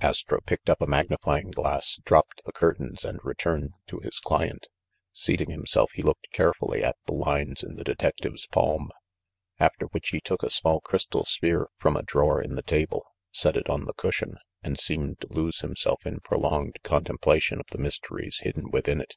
Astro picked up a magnifying glass, dropped the curtains, and returned to his client. Seating himself, he looked carefully at the lines in the detective's palm ; after which he took a small crystal sphere from a draw er in the table, set it on the cushion, and seemed to lose himself in prolonged contemplation of the mysteries hidden within it.